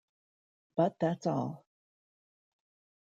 But that's all.